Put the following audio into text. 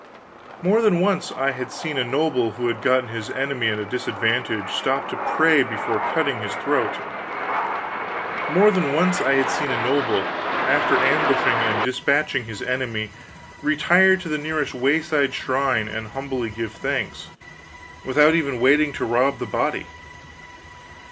More than once I had seen a noble who had gotten his enemy at a disadvantage, stop to pray before cutting his throat; more than once I had seen a noble, after ambushing and despatching his enemy, retire to the nearest wayside shrine and humbly give thanks, without even waiting to rob the body.